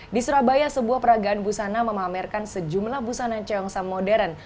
di surabaya sebuah peragaan busana memamerkan sejumlah busana ceongsa modern